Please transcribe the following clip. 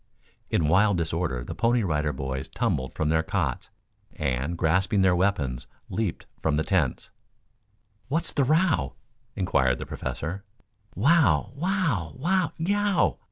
In wild disorder the Pony Rider Boys tumbled from their cots, and, grasping their weapons, leaped from the tents. "What's the row?" inquired the Professor. "Wow! Wow! Wow! Yeow!"